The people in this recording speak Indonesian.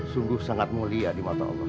sungguh sangat mulia di mata allah